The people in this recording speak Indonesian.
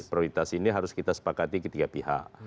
prioritas ini harus kita sepakati ketiga pihak